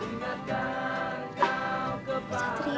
ingatkan kau kepadamu